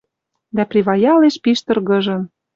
Дӓ приваялеш пиш тыргыжын: —